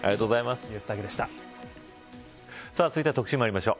続いて特集にまいりましょう。